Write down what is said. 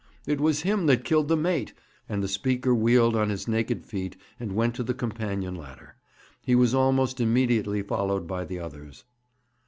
It was him that killed the mate;' and the speaker wheeled on his naked feet, and went to the companion ladder. He was almost immediately followed by the others.